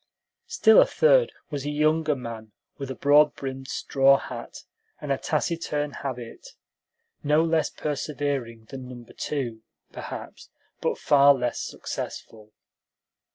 Still a third was a younger man, with a broad brimmed straw hat and a taciturn habit; no less persevering than Number Two, perhaps, but far less successful.